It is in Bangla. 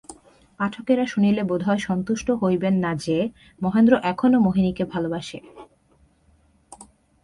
পাঠকেরা শুনিলে বোধ হয় সন্তুষ্ট হইবেন না যে, মহেন্দ্র এখনো মোহিনীকে ভালোবাসে।